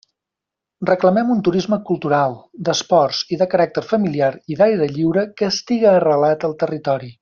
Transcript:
Reclamem un turisme cultural, d'esports i de caràcter familiar i d'aire lliure que estiga arrelat al territori.